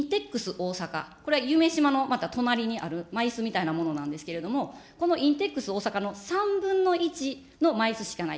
大阪、これは夢洲のまた隣にある、みたいなものなんですけど、このインテックス大阪の３分の１のまいすしかない。